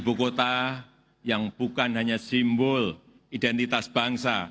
ibu kota yang bukan hanya simbol identitas bangsa